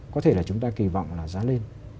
có thể là chúng ta kỳ vọng là giá lên